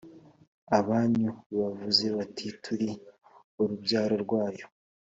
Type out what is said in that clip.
abanyu bavuze bati Turi urubyaro rwayo